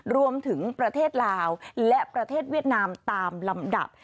ประเทศลาวและประเทศเวียดนามตามลำดับ